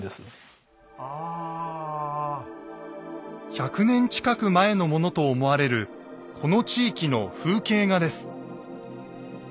１００年近く前のものと思われるこの地域の風景画です。